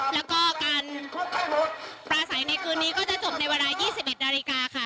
แล้วก็การปราศัยในคืนนี้ก็จะจบในเวลา๒๑นาฬิกาค่ะ